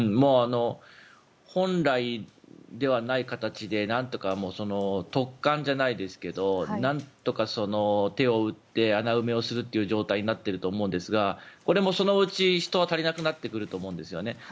本来ではない形でなんとか突貫じゃないですけどなんとか手を打って穴埋めをするという状態になっていると思うんですがこれもそのうち人が足りなくなってくると思うんですね。